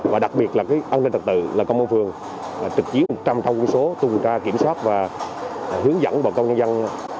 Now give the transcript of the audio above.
và đặc biệt là an ninh trật tự là công an phường trực chiến một trăm linh thông quân số tuần tra kiểm soát và hướng dẫn bà con nhân dân